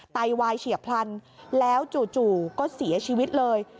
ไตวายเฉียบพลันแล้วจู่ก็เสียชีวิตเลย